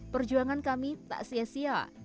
perjuangan kami tak sia sia